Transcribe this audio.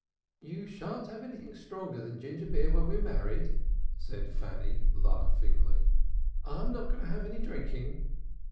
"You shan't have anything stronger than ginger beer when we're married," said Fanny laughingly. "I am not going to have any drinking.'"